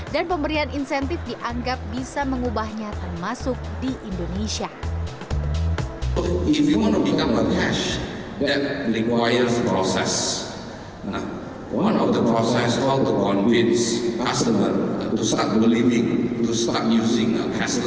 dan pemberian insentif dianggap bisa mengubahnya terhadap konsumen